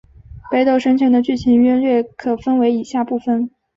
北斗神拳的剧情约略可分为以下部分。